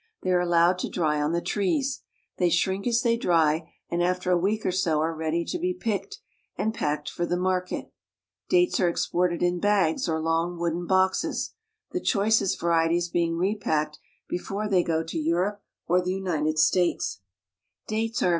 The_\ ai^ allowed to dry on tb trees. They shrmk I as they dry and after 9 a week or so are ready I to be picked and ; for the market I packed 1 Dalef, are exported in bags .,." Dates are exported in bags or mg wooden boxes, the choicest varieties being repacked ;fore they go to Europe or the United States. Dates are of